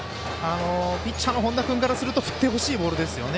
ピッチャーの本田君からすると振ってほしいボールですよね。